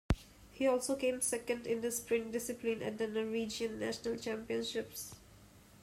He also came second in the sprint discipline at the Norwegian national championships.